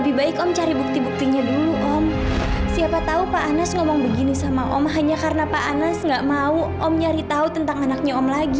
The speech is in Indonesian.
lebih baik om cari bukti buktinya dulu om siapa tahu pak anas ngomong begini sama om hanya karena pak anas nggak mau om nyari tahu tentang anaknya om lagi